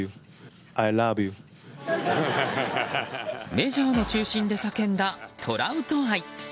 メジャーの中心で叫んだトラウト愛。